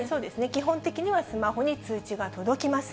基本的にはスマホに通知が届きます。